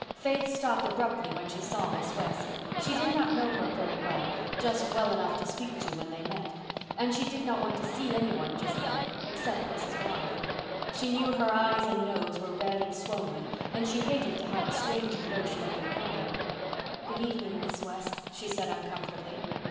Faith stopped abruptly when she saw Miss West. She did not know her very well—just well enough to speak to when they met. And she did not want to see any one just then—except Mrs. Blythe. She knew her eyes and nose were red and swollen and she hated to have a stranger know she had been crying. "Good evening, Miss West," she said uncomfortably.